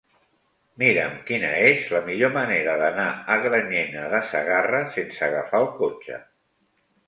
Mira'm quina és la millor manera d'anar a Granyena de Segarra sense agafar el cotxe.